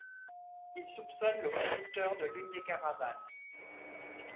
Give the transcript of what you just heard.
Il soupçonne le conducteur de l'une des caravanes.